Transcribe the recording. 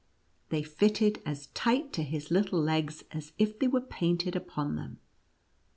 They fitted as tight to his little legs as if they were painted upon them.